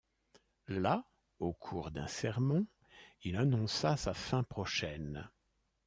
Là, au cours d'un sermon, il annonça sa fin prochaine.